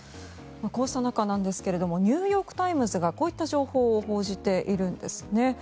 こうした中なんですがニューヨーク・タイムズがこういった情報を報じているんですね。